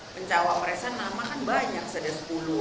pencawa presa nama kan banyak sudah sepuluh